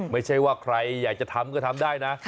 ไม่ใช่ว่าใครอยากจะทำก็ทำได้นะ